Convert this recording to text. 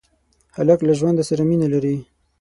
هلک له ژوند سره مینه لري.